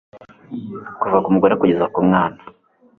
kuva ku mugore kugeza ku mwana